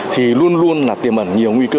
thì luôn luôn là tiềm ẩn nhiều nguy cơ